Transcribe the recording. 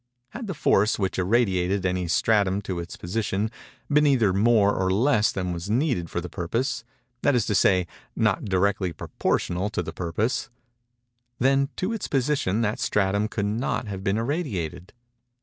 Had the force which irradiated any stratum to its position, been either more or less than was needed for the purpose—that is to say, not directly proportional to the purpose—then to its position that stratum could not have been irradiated.